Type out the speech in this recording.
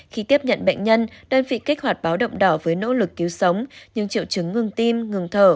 khi tiếp nhận bệnh nhân đơn vị kích hoạt báo động đỏ với nỗ lực cứu sống những triệu chứng ngừng tim ngừng thở